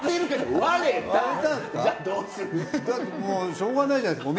しょうがないじゃないですか。